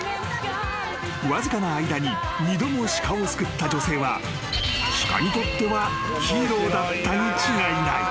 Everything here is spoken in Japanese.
［わずかな間に二度も鹿を救った女性は鹿にとってはヒーローだったに違いない］